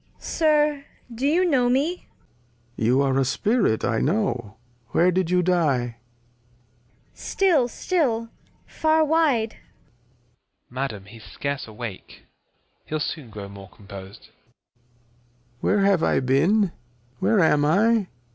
Sir, do you know me ? Lear. You are a Spirit, I know ; where did you die ? Cord. StiU, still, far wide. Phys. Madam he's scarce awake; he'U soon grow more compos'd. Lear. Where have I been ? Where am I